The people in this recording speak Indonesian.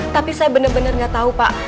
tapi saya bener bener gak tau pak